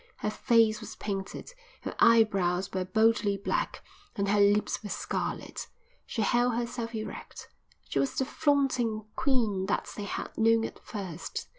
Her face was painted, her eyebrows were boldly black, and her lips were scarlet. She held herself erect. She was the flaunting quean that they had known at first.